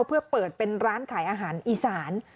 เพื่อเปิดเป็นร้านขายอาหารอีสาน